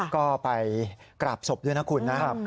ก็ไปกราบศพด้วยนะคุณนะครับ